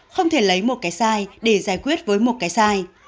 không thể lấy một cái sai để giải quyết với một cái sai